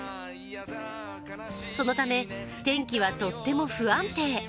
そのため天気はとっても不安定。